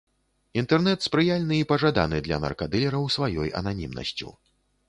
Інтэрнэт спрыяльны і пажаданы для наркадылераў сваёй ананімнасцю.